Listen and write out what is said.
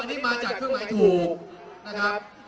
อันนี้มาจากเครื่องหมายถูกนะครับ